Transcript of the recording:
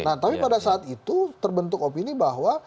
nah tapi pada saat itu terbentuk opini bahwa